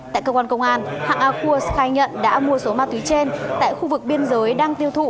tại cơ quan công an hạng a khua khai nhận đã mua số ma túy trên tại khu vực biên giới đang tiêu thụ